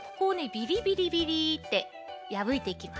ビリビリビリってやぶいていきます。